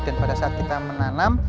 dan pada saat kita menanam